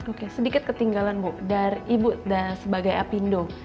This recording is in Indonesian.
oke sedikit ketinggalan bu dari ibu sebagai apindo